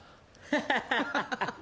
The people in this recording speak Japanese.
ハハハ。